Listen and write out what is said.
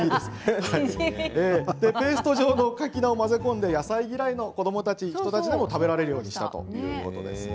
ペースト状のかき菜を混ぜ込んで野菜嫌いの子どもたちでも食べられるようにしたということですね。